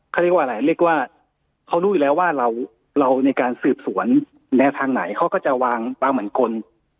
เขาเรียกว่าเขารู้อยู่แล้วว่าเราในการสืบสวนแนวทางไหนเขาก็จะวางตรงเหมือนกล